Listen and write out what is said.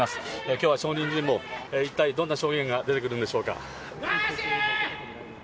きょうは証人尋問、一体、どんな証言が出てくるんでしょうか。